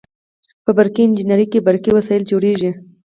په برقي انجنیری کې برقي وسایل جوړیږي.